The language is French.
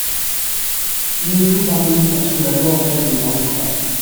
Il nous faut pardonner, parce que la mort, elle, ne pardonne pas.